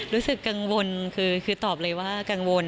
รู้สึกกังวลคือตอบเลยว่ากังวล